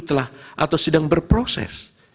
telah atau sedang berproses